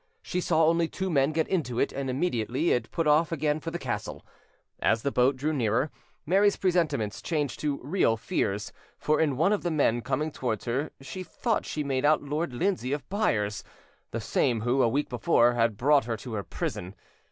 She saw only two men get into it; and immediately it put off again for the castle. As the boat drew nearer, Mary's presentiments changed to real fears, for in one of the men coming towards her she thought she made out Lord Lindsay of Byres, the same who, a week before, had brought her to her prison.